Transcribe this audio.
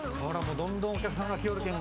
どんどんお客さんが来よるけんが。